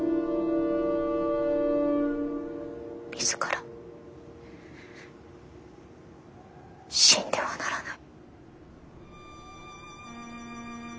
自ら死んではならない。